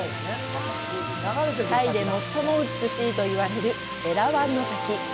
タイで最も美しいと言われるエラワンの滝。